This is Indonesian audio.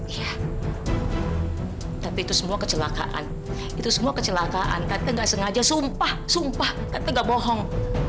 iya tapi itu semua kecelakaan itu semua kecelakaan tante gak sengaja sumpah sumpah tante gak bohong